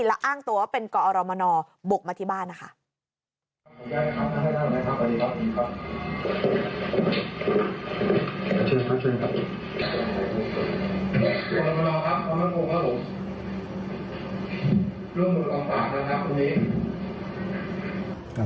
แล้วอ้างตัวว่าเป็นเจ้าหน้าที่กอมบกมาที่บ้านนะคะ